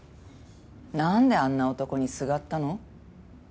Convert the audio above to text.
何であんな男にすがったの？